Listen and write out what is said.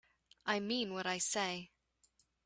I mean what I say.